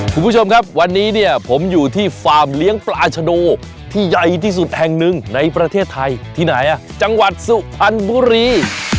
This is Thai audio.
คุณผู้ชมครับวันนี้เนี่ยผมอยู่ที่ฟาร์มเลี้ยงปลาชโดที่ใหญ่ที่สุดแห่งหนึ่งในประเทศไทยที่ไหนอ่ะจังหวัดสุพรรณบุรี